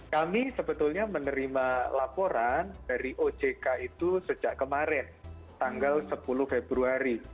kami sebetulnya menerima laporan dari ojk itu sejak kemarin tanggal sepuluh februari